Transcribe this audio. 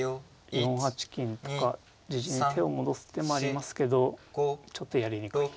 ４八金とか自陣に手を戻す手もありますけどちょっとやりにくい。